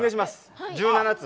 １７つ。